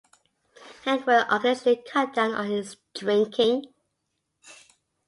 Hank would occasionally cut down on his drinking.